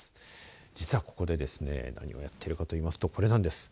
実はここでですね何をやってるかと言いますとこれなんです。